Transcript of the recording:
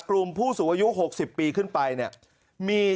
กลุ่มผู้สูงอายุ๖๐ปีขึ้นไปเนี่ย